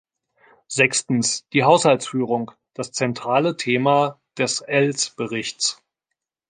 Sechstens, die Haushaltsführung, das zentrale Thema des Elles-Berichts.